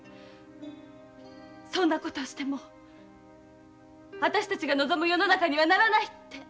そんな事をしても私たちが望む世の中にはならないって。